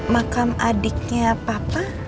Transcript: makam adiknya papa